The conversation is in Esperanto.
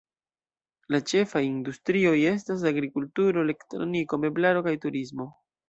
La ĉefaj industrioj estas agrikulturo, elektroniko, meblaro kaj turismo.